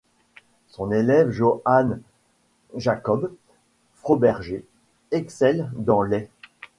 Son élève Johann Jakob Froberger excelle dans les '.